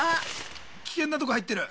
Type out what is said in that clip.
危険なとこ入ってる。